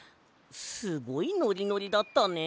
すごいノリノリだったね。